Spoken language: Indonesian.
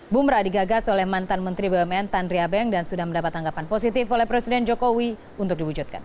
bumra digagas oleh mantan menteri bumn tandria beng dan sudah mendapat tanggapan positif oleh presiden jokowi untuk diwujudkan